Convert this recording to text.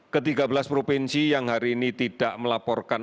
ketiga belas provinsi yang hari ini tidak melaporkan